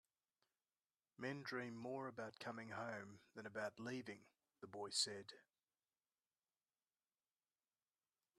"Men dream more about coming home than about leaving," the boy said.